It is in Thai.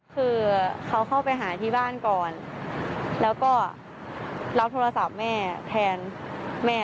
คือเขาเข้าไปหาที่บ้านก่อนแล้วก็รับโทรศัพท์แม่แทนแม่